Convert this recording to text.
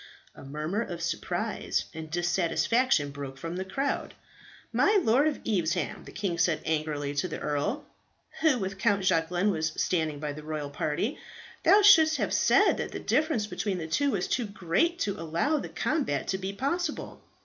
A murmur of surprise and dissatisfaction broke from the crowd. "My Lord of Evesham," the king said angrily to the earl, who with Count Jacquelin was standing by the royal party, "thou shouldst have said that the difference between the two was too great to allow the combat to be possible.